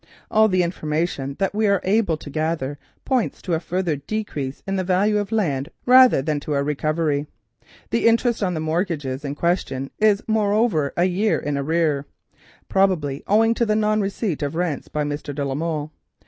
All the information that we are able to gather points to a further decrease in the value of the land rather than to a recovery. The interest on the mortgages in question is moreover a year in arrear, probably owing to the non receipt of rents by Mr. de la Molle.